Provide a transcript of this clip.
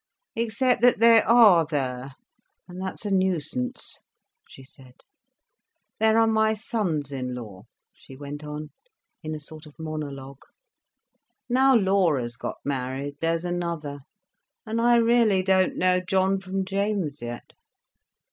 "Except that they are there, and that's a nuisance," she said. "There are my sons in law," she went on, in a sort of monologue. "Now Laura's got married, there's another. And I really don't know John from James yet.